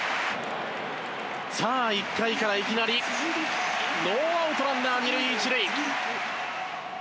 さあ１回からいきなりノーアウトランナー二塁一塁。